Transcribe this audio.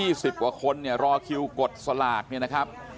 ๒๐ประมาณคนรอคิวกดสลาก